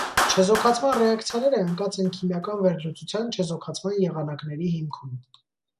Չեզոքացման ռեակցիաները ընկած են քիմիական վերլուծության չեզոքացման եղանակների հիմքում։